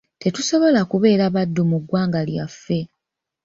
Tetusobola kubeera baddu mu ggwanga lyaffe.